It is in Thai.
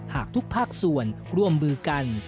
หากทุกภาคส่วนร่วมมือกัน